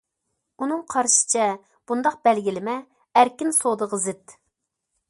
ئۇنىڭ قارىشىچە، بۇنداق بەلگىلىمە ئەركىن سودىغا زىت.